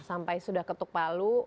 sampai sudah ketuk palu